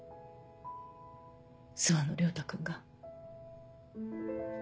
諏訪野良太君が。